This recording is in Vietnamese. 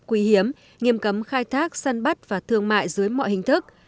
quý hiếm nghiêm cấm khai thác săn bắt và thương mại dưới mọi hình thức